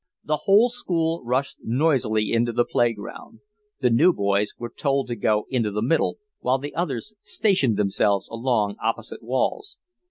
The whole school rushed noisily into the play ground. The new boys were told to go into the middle, while the others stationed themselves along opposite walls.